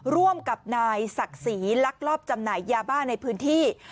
ร่วมกับนายศักดิ์ศรีลักลอบจำหน่ายยาบ้าในพื้นที่